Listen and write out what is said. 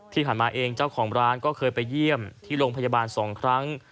ที่ผ่านมาเองเจ้าของร้านก็เคยไปเยี่ยมที่โรงพยาบาล๒ครั้ง